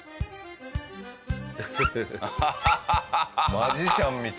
マジシャンみたい。